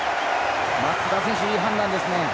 松田選手、いい判断ですね。